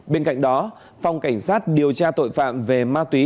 bên cạnh đó phòng cảnh sát điều tra tội phạm về ma túy